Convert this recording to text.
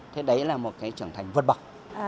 thế đấy là một cái trưởng thành vật bậc